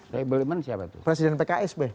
soebubul iman siapa tuh presiden pks be